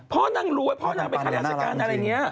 พ่อนางรวยพ่อนางเป็นการราชการอะไรเงี้ย